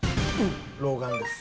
老眼です。